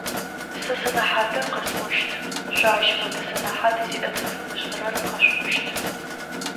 Сэ сэнэхьатыр къэсӏощт, шъо ащ фэдэ сэнэхьат зиӏэ цӏыфым ышӏэрэр къэшъуӏощт.